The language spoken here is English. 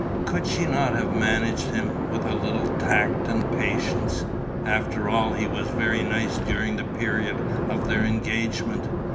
Could she not have managed him, with a little tact and patience? After all, he was very nice during the period of their engagement.